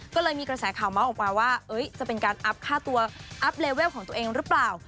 ก็เลยมีกระแสข่าวเมาส์ออกมาว่าจะเป็นการอัพค่าตัวอัพเลเวลของตัวเองหรือเปล่า